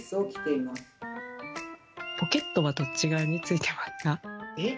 ポケットはどっち側についてますか？